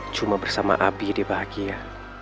cuma bersama abi jadi bahagia